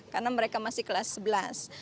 karena mereka masih kelas sebelas